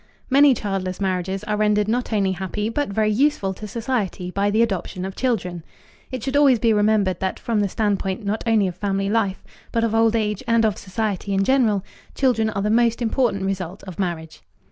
Many childless marriages are rendered not only happy but very useful to society by the adoption of children. It should always be remembered that from the standpoint not only of family life but of old age and of society in general, children are the most important result of marriage.